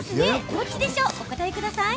お答えください。